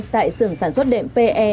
tại sưởng sản xuất đệm pe